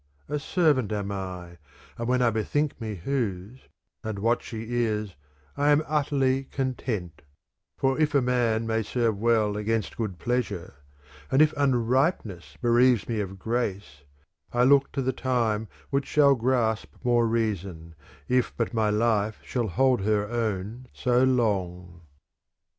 A servant am I, and when I bethink me whose, and what she is, I am utterly content ; for a man may serve well against good pleasure ;^ and if unripeness bereaves me of grace, I look to the time which shall grasp more reason ; if but my life shall hold her own so long.